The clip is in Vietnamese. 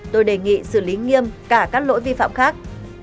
tôi đề nghị xử lý nghiêm cả các lỗi vi phạm khác